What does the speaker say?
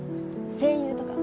声優とか？